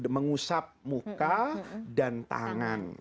mengusap muka dan tangan